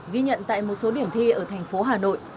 ghi nhận tại một số điểm thi ở thành phố hà nội